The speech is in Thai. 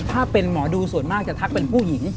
ถ้าเป็นหมอดูส่วนมากจะทักเป็นผู้หญิง